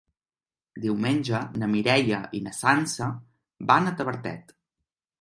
Diumenge na Mireia i na Sança van a Tavertet.